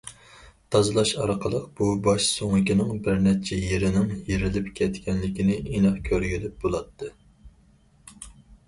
تازىلاش ئارقىلىق، بۇ باش سۆڭىكىنىڭ بىر نەچچە يېرىنىڭ يېرىلىپ كەتكەنلىكىنى ئېنىق كۆرگىلى بولاتتى.